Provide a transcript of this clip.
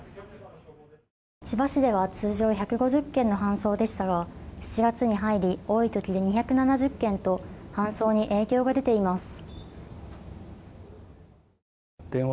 千葉市では通常１５０件の搬送でしたが７月に入り多い時で２７０件と搬送に影響が出ています。